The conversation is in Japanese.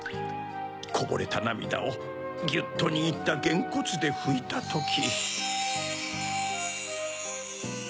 こぼれたなみだをぎゅっとにぎったゲンコツでふいたとき。